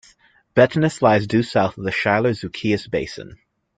Bettinus lies due south of the Schiller-Zucchius Basin.